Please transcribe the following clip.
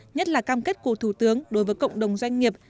nhất là cam kết của thủ tướng đối với cộng đồng doanh nghiệp